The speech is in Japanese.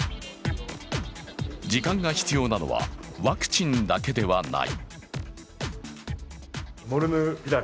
時間が必要なのはワクチンだけではない。